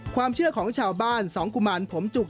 ความเชื่อของชาวบ้านสองกุมารผมจุก